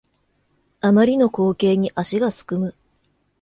あまりの光景に足がすくむ